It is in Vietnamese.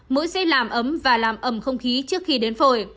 mũi sẽ làm ấm và làm ấm không khí trước khi đến phổi